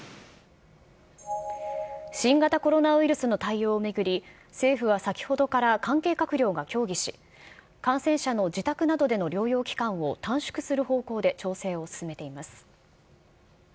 新型コロナウイルスの対応を巡り、政府は先ほどから関係閣僚が協議し、感染者の自宅などでの療養期間を短縮する方向で調整を進めています。